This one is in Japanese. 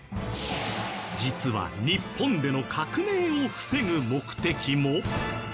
実は日本での革命を防ぐ目的も？